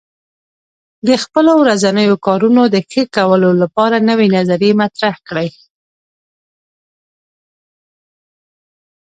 د خپلو ورځنیو کارونو د ښه کولو لپاره نوې نظریې مطرح کړئ.